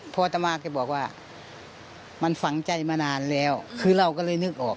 พออัตมาแกบอกว่ามันฝังใจมานานแล้วคือเราก็เลยนึกออก